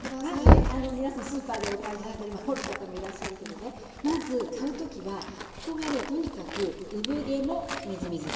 まずね皆さんスーパーでお買いになったり掘る方もいらっしゃるけどねまず買う時はここがねとにかく産毛もみずみずしい。